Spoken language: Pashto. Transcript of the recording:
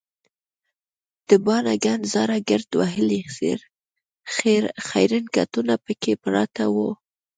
د باڼه ګڼ زاړه ګرد وهلي خیرن کټونه پکې پراته وو.